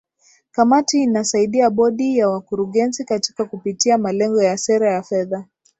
kamati inasaidia bodi ya wakurugenzi katika kupitia malengo ya sera ya fedha